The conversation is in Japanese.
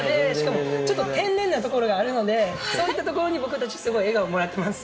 いや、ちょっと天然なところがあるので、そういったところに僕たちすごい笑顔もらっています。